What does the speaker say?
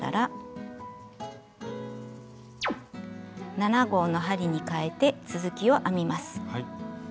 ７／０号の針にかえて続きを編みます。